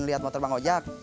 lihat motor bang ojak